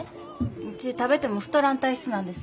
ウチ食べても太らん体質なんです。